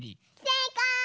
せいかい！